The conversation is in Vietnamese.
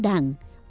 và đồng chí